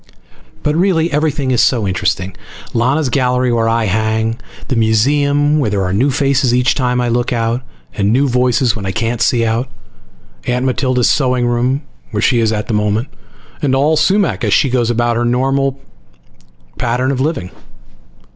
But really, everything is so interesting. Lana's gallery where I hang, the museum where there are new faces each time I look out, and new voices when I can't see out, Aunt Matilda's sewing room where she is at the moment, and all Sumac as she goes about her normal pattern of living.